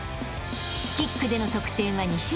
［キックでの得点は２種類］